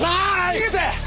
逃げて！